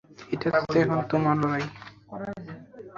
এটা এখন তোমার লড়াই।